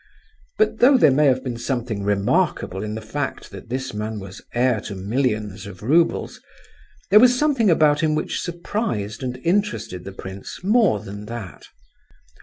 But though there may have been something remarkable in the fact that this man was heir to millions of roubles there was something about him which surprised and interested the prince more than that.